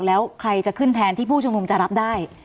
แล้วใครจะขึ้นแทนที่ผู้ชุมนุมจะรับได้